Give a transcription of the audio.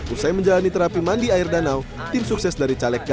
usai menjalani terapi mandi air danau tim sukses dari tim sukses itu berusaha menenangkan diri